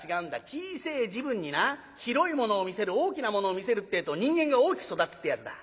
小せえ時分にな広いものを見せる大きなものを見せるってえと人間が大きく育つってえやつだ。